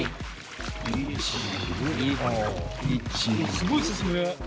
すごい進むね。